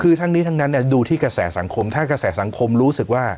คือทั้งนี้ทั้งนั้นดูที่กระแสสังคมถ้ากระแสสังคมรู้สึกว่า